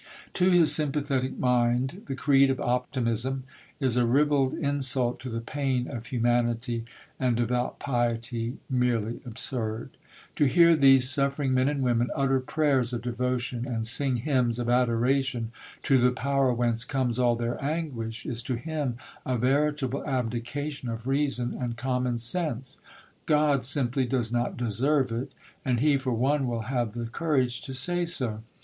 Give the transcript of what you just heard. To his sympathetic mind, the creed of optimism is a ribald insult to the pain of humanity and devout piety merely absurd. To hear these suffering men and women utter prayers of devotion and sing hymns of adoration to the Power whence comes all their anguish is to him a veritable abdication of reason and common sense. God simply does not deserve it, and he for one will have the courage to say so.